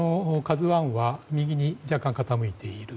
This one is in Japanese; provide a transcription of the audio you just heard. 今、「ＫＡＺＵ１」は右に若干傾いている。